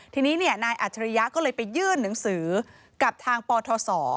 ทีนี้นายอัจฉริยะก็เลยไปยื่นหนังสือกับทางปทศ